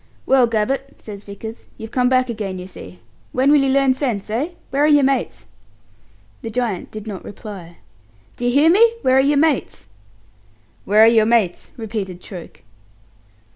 "Well, Gabbett," says Vickers, "you've come back again, you see. When will you learn sense, eh? Where are your mates?" The giant did not reply. "Do you hear me? Where are your mates?" "Where are your mates?" repeated Troke.